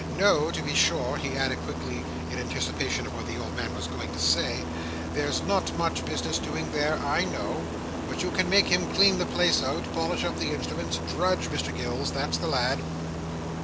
No, to be sure," he added quickly, in anticipation of what the old man was going to say, "there's not much business doing there, I know; but you can make him clean the place out, polish up the instruments; drudge, Mr Gills. That's the lad!"